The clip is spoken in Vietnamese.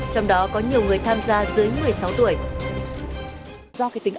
trong đó có nhiều người tham gia dưới người tham gia nhiều người tham gia dưới người tham gia